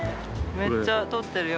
めっちゃ撮ってるよ。